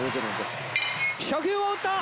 初球を打った！